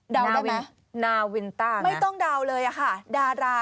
ดาวน์ได้ไหมนาวินต้านะไม่ต้องดาวน์เลยค่ะดารา